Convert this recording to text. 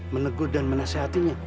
menegur dan menasehatinya